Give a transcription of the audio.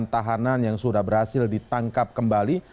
satu ratus empat puluh sembilan tahanan yang sudah berhasil ditangkap kembali